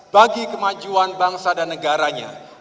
bagi kemajuan bangsa dan negaranya